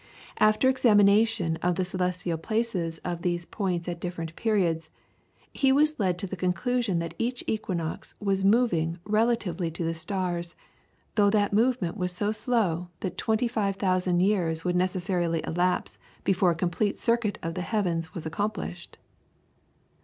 After examination of the celestial places of these points at different periods, he was led to the conclusion that each equinox was moving relatively to the stars, though that movement was so slow that twenty five thousand years would necessarily elapse before a complete circuit of the heavens was accomplished.